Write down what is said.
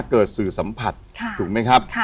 เกิดสื่อสัมผัสถูกมั้ยครับ